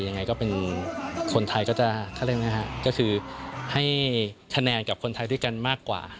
ยังไงก็เป็นคนไทยก็จะคือให้แทนกับคนไทยด้วยกันมากกว่า